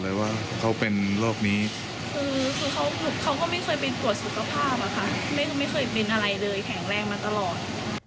ไม่เคยบินอะไรเลยแข็งแรงมาตลอด